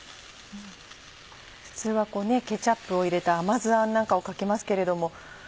普通はケチャップを入れた甘酢あんなんかをかけますけれども。